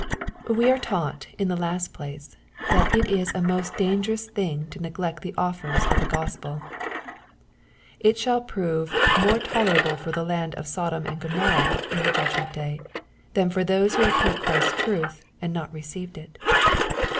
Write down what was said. We are taught, in the last place, that it is a most dangerous thing to neglect the offers of the Gospel. It shall prove " more tolerable for the land of Sodom and Go morrha" in the judgment day, than for those who have heard Christ's truth, and not received it.